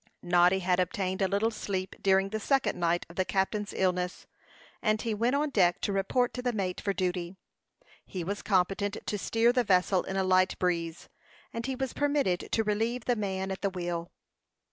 Noddy had obtained a little sleep during the second night of the captain's illness, and he went on deck to report to the mate for duty. He was competent to steer the vessel in a light breeze, and he was permitted to relieve the man at the wheel.